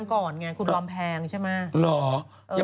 แรงเงาเหรอ